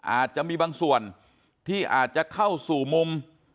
อาจจะมีบางส่วนที่อาจจะเข้าสู่มุม